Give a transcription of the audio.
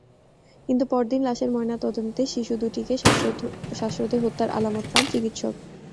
কিন্তু পরদিন লাশের ময়নাতদন্তে শিশু দুটিকে শ্বাসরোধে হত্যার আলামত পান চিকিৎসক।